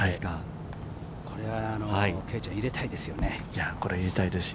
これは圭ちゃん、入れたいですよね。